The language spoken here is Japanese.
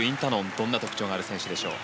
どんな特徴がある選手でしょう。